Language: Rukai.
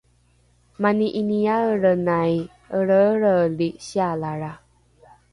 mani ’iniaelrenai elreelreeli sialalra